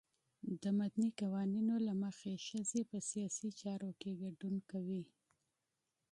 د مدني قوانینو له مخې ښځې په سیاسي چارو کې ګډون کوي.